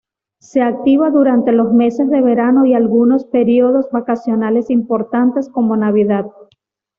Se activa durante los meses de verano y algunos periodos vacacionales importantes como navidad.